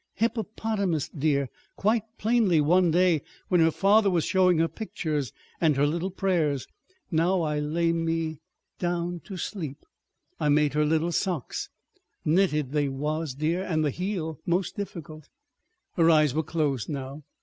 "Hippopotamus, dear—quite plainly one day, when her father was showing her pictures. .. And her little prayers. 'Now I lay me. ... down to sleep.' ... I made her little socks. Knitted they was, dear, and the heel most difficult." Her eyes were closed now.